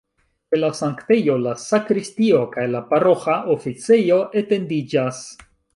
Ĉe la sanktejo la sakristio kaj la paroĥa oficejo etendiĝas.